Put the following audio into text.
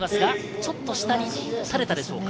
ちょっと下にたれたでしょうか？